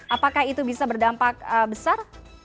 apakah itu bisa berdampak besar